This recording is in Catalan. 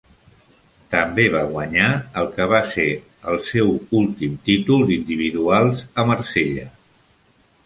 També va guanyar el que va ser el seu últim títol d'individuals a Marsella.